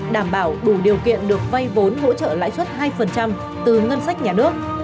đảm bảo đủ điều kiện được vai vốn hỗ trợ lại suốt hai từ ngân sách nhà nước